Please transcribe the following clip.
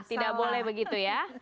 tidak boleh begitu ya